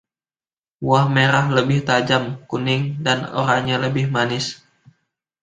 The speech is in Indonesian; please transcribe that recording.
Buah merah lebih tajam, kuning, dan oranye lebih manis.